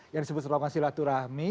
yang disebut terowongan silaturahmi